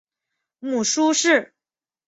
母舒氏。